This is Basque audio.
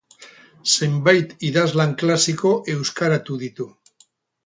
Zenbait idazlan klasiko euskaratu ditu.